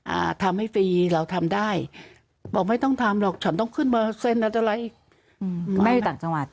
อ่าทำให้ฟรีเราทำได้บอกไม่ต้องทำหรอกฉันต้องขึ้นมาเส้นอะไรอีก